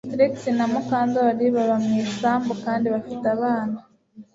Trix na Mukandoli baba mu isambu kandi bafite abana